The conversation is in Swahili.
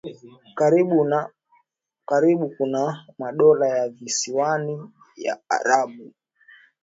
Karibi kuna madola ya visiwani ya Aruba